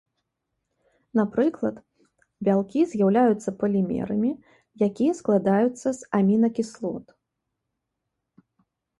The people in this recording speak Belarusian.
Напрыклад, бялкі з'яўляюцца палімерамі, якія складаюцца з амінакіслот.